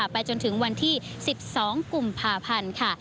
ไปจนถึงวันที่๑๒กุมภาพันธ์ค่ะ